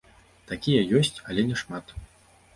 Такія ёсць, але няшмат.